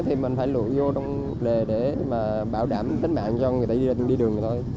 thì mình phải lụi vô đống gạch để bảo đảm tính mạng cho người ta đi đường này thôi